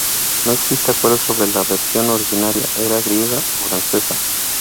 No existe acuerdo sobre si la versión original era griega o francesa.